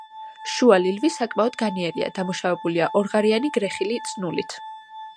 შუა ლილვი საკმაოდ განიერია, დამუშავებულია ორღარიანი გრეხილი წნულით.